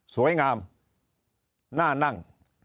สวยงามหน้านั่ง